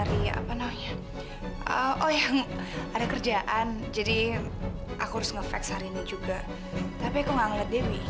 sampai jumpa di video selanjutnya